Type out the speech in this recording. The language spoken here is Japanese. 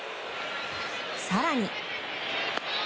更に。